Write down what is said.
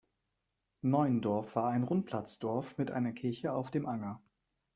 Neuendorf war ein Rundplatzdorf mit einer Kirche auf dem Anger.